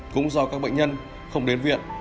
cũng do các bệnh nhân không đến viện